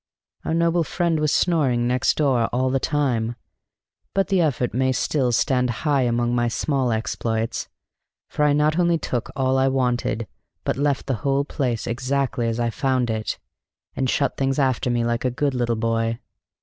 Our noble friend was snoring next door all the time, but the effort may still stand high among my small exploits, for I not only took all I wanted, but left the whole place exactly as I found it, and shut things after me like a good little boy.